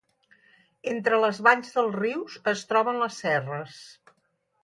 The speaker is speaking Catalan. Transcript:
Entre les valls dels rius, es troben les serres.